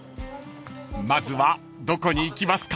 ［まずはどこに行きますか？］